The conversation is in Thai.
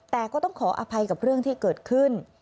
แต่ก็ต้องขออภัยกับเรื่องที่เกิดขึ้น